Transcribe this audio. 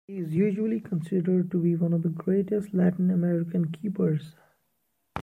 He is usually considered to be one of the greatest Latin American keepers.